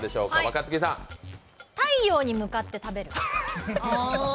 太陽に向かって食べる。